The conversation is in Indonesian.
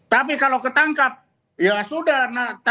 tapi kalau ketangkap ya sudah